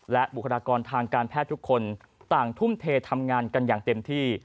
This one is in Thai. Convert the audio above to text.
และบุคลากรทางการแพทย์ทุกคนต่างทุ่มเททำงานกันอย่างเต็มที่